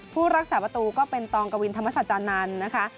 ผู้รักษาประตูก็เป็นตองกวินธรรมศาจานันทร์นะคะ